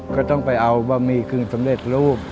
ก็ต้องไปเอาบะหมี่กึ่งสำเร็จรูป